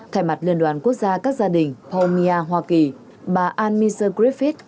thay mặt liên đoàn quốc gia các gia đình palmia hoa kỳ bà anne mise griffith